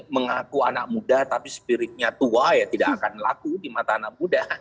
mengaku anak muda tapi spiritnya tua ya tidak akan laku di mata anak muda